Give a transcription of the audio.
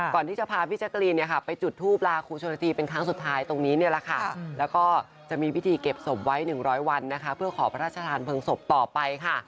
ก่อนที่จะพาพี่แจ๊กรีนไปจุดทูปลาครูชนธีเป็นครั้งสุดท้ายตรงนี้แล้วก็จะมีวิธีเก็บศพไว้๑๐๐วันเพื่อขอพระราชทานเพิ่งศพต่อไป